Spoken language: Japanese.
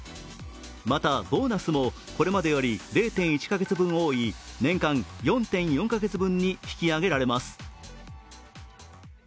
またボーナスも、これまでより０．１カ月分多い、年間４．４カ月分に引き上げられます